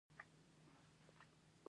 پاڅون ناکام شو.